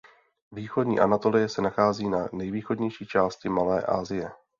Východní Anatolie se nachází na nejvýchodnější části Malé Asie.